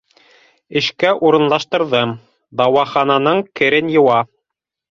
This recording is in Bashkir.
Эшкә урынлаштырҙым - дауахананың керен йыуа.